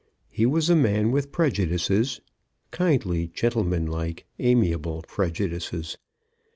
He was a man with prejudices, kindly, gentlemanlike, amiable prejudices.